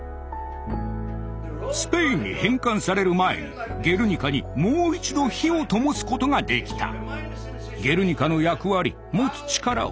スペインに返還される前に「ゲルニカ」にもう一度火をともすことができた。